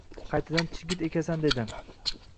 Qaytadan chigit ekasan dedi.